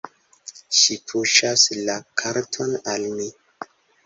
Ŝi puŝas la karton al mi.